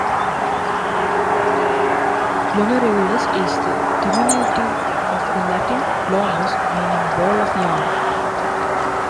"Glomerulus" is the diminutive of the Latin "glomus", meaning "ball of yarn".